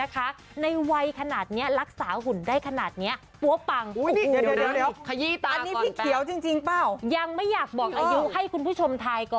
พี่เจนแขี้ยวคุณผู้ชม